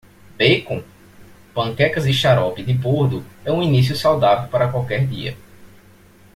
Bacon? panquecas e xarope de bordo é um início saudável para qualquer dia.